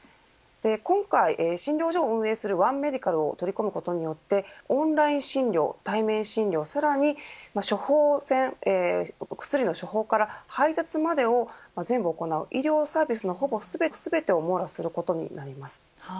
今回、診療所を運営するワン・メディカルを取り込むことによってオンライン診療、対面診療さらに処方箋薬の処方から配達までを全部行う医療サービスのほぼ全てを網羅することになります。